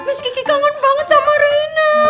miss kiki kangen banget sama rena